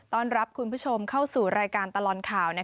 ต้อนรับคุณผู้ชมเข้าสู่รายการตลอดข่าว